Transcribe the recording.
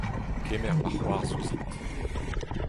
Kemer ma c'hoarzh ouzhit.